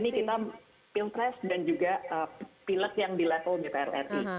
ini kita pilpres dan juga pilek yang di level dpr ri